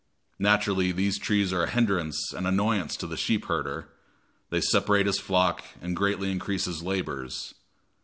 Naturally these trees are a hindrance and annoyance to the sheep herder; they separate his flock and greatly increase his labors.